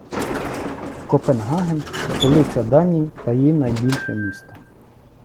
Копенгаген — столиця Данії та її найбільше місто.